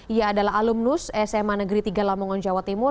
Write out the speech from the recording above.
ia adalah alumnus sma negeri tiga lamongan jawa timur